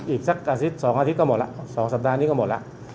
อีกสักอาทิตย์๒อาทิตย์ก็หมดแล้ว๒สัปดาห์นี้ก็หมดแล้ว